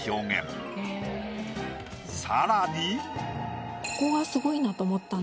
さらに。